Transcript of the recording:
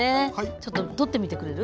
ちょっと取ってみてくれる？